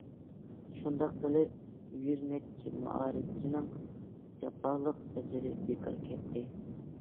شۇنداق قىلىپ، يۈز نەچچە مائارىپچىنىڭ جاپالىق ئەجرى بىكار كەتتى.